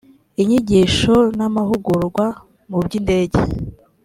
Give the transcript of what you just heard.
inyigisho n amahugurwa mu by indege